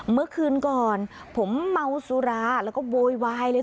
เมื่อคืนก่อนผมเมาสุราแล้วก็โวยวายเลย